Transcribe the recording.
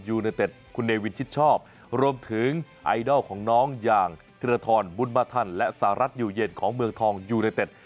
ยูเนเต็ดคุณเนวินชิดชอบรวมถึงไอดอลของน้องอย่างธิรทรบุญมาทันและสหรัฐอยู่เย็นของเมืองทองยูไนเต็ด